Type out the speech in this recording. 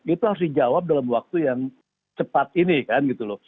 itu harus dijawab dalam waktu yang cepat ini kan gitu loh